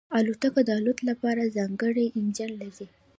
الوتکه د الوت لپاره ځانګړی انجن لري.